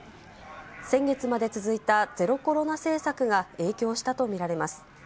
先月まで続いたゼロコロナ政策が影響したと見られます。